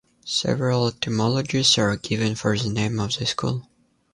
Several etymologies are given for the name of this school.